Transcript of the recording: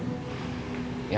menikmatinya malas sama orang lain